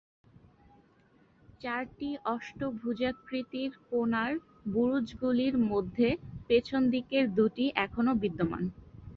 চারটি অষ্টভুজাকৃতির কোণার বুরুজগুলির মধ্যে পেছনদিকের দুটি এখনও বিদ্যমান।